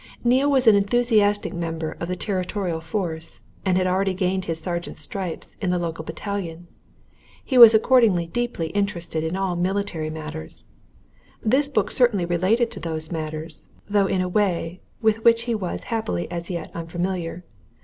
Neale was an enthusiastic member of the Territorial Force, and had already gained his sergeant's stripes in the local battalion; he was accordingly deeply interested in all military matters this book certainly related to those matters, though in a way with which he was happily as yet unfamiliar.